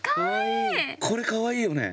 これかわいいよね。